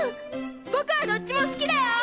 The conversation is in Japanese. ぼくはどっちもすきだよ！